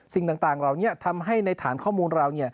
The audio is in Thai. สิ่งต่างเหล่านี้ทำให้ในฐานข้อมูลเรา